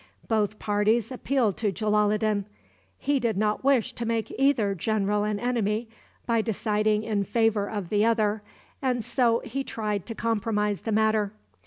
Both parties appealed to Jalaloddin. He did not wish to make either general an enemy by deciding in favor of the other, and so he tried to compromise the matter.